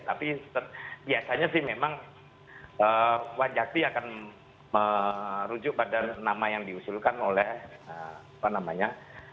tapi biasanya sih memang wanjakti akan merujuk pada nama yang diusulkan oleh apa namanya